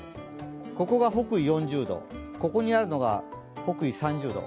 ここが北緯４０度、ここにあるのが北緯３０度。